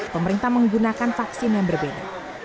pemerintah menggunakan vaksin yang berbeda